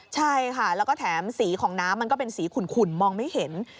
ใช่ค่ะแล้วก็แถมสีของน้ำมันก็เป็นสีขุ่นมองไม่เห็น